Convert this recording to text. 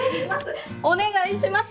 お願いします！